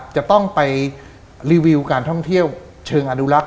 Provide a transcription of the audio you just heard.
จะต้องไปรีวิวการท่องเที่ยวเชิงอนุลักษ